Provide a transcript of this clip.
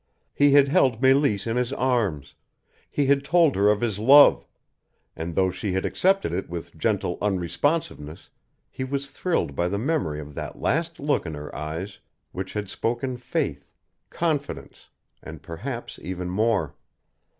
He had held Meleese in his arms, he had told her of his love, and though she had accepted it with gentle unresponsiveness he was thrilled by the memory of that last look in her eyes, which had spoken faith, confidence, and perhaps even more.